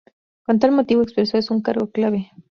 Con tal motivo, expresó: “"Es un cargo clave.